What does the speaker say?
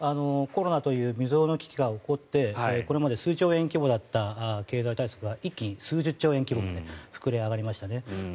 コロナという未曽有の危機が起こってこれまで数兆円規模だった経済対策が一気に数十兆円規模にまで膨れ上がりましたね。